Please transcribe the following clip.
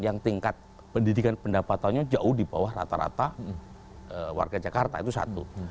yang tingkat pendidikan pendapatannya jauh di bawah rata rata warga jakarta itu satu